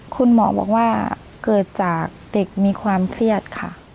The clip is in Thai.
คุณหมอบอกว่าเกิดจากเด็กมีความเครียดค่ะ